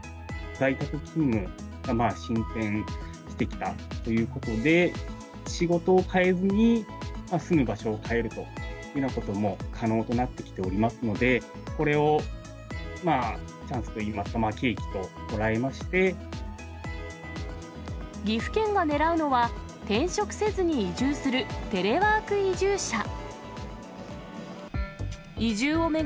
在宅勤務が進展してきたということで、仕事を変えずに住む場所を変えるというようなことも可能となってきておりますので、これをチャンスといいますか、岐阜県がねらうのは、転職せずに移住するテレワーク移住者。